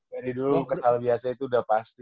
dari dulu kenal biasa itu udah pasti